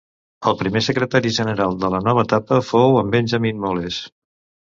El primer Secretari General de la nova etapa fou en Benjamí Moles.